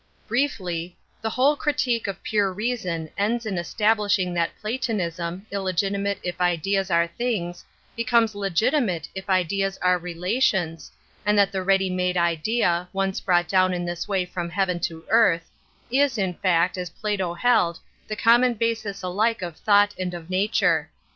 Briefly, the whole Critique of Pure Reason ends in establishing that Platonism, illegitimate if Ideas are things, becomes le gitimate if Ideas are relations, and that the ready made idea, once brought down in this way from heaven to earth, is in fact, as Plato held, the common basis alike of thought and of nature.